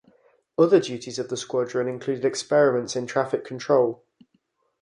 Other duties of the squadron included experiments in traffic control.